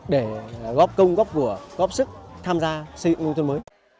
để góp công góp vừa góp sức tham gia xây dựng nguồn thân mới